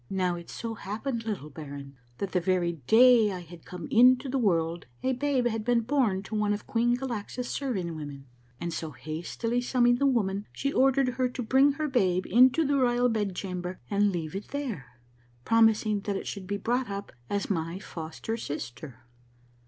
Now, it so happened, little baron, that the very day I had come into the world a babe had been born to one of Queen Galaxa's serving women ; and so hastily sum moning the woman she ordered her to bring her babe into the royal bed chamber and leave it there, promising that it should be brought up as my foster sister.